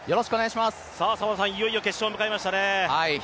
澤野さん、いよいよ決勝を迎えましたね。